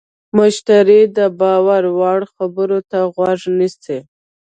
مشتری د باور وړ خبرو ته غوږ نیسي.